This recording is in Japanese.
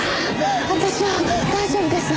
私は大丈夫です。